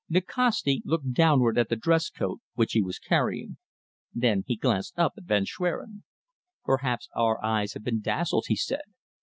Nikasti looked downwards at the dress coat which he was carrying. Then he glanced up at Von Schwerin. "Perhaps our eyes have been dazzled," he said.